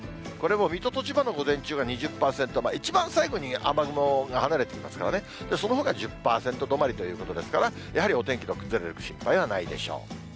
これも水戸と千葉の午前中は２０％、一番最後に雨雲が離れていきますからね、そのほか１０％止まりということですから、やはりお天気の崩れる心配はないでしょう。